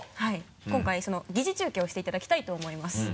今回疑似中継をしていただきたいと思います。